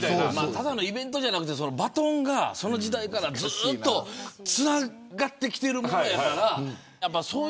ただのイベントじゃなくてバトンがずっとその時代からつながってきてるから。